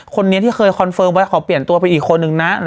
คนนี้ที่เคยคอนเฟิร์มไว้ขอเปลี่ยนตัวไปอีกคนนึงนะ